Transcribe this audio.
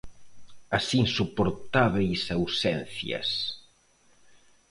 As insoportábeis ausencias.